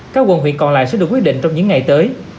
các quận huyện còn lại sẽ được quyết định trong những ngày tới